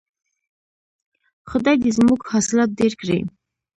خدای دې زموږ حاصلات ډیر کړي.